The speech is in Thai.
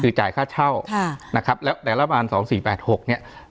คือจ่ายค่าเช่าค่ะนะครับแล้วแต่ละบานสองสี่แปดหกเนี่ย